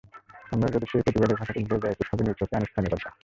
আমরা যদি সেই প্রতিবাদের ভাষাটি ভুলে যাই, একুশ হবে নিছকই আনুষ্ঠানিকতা।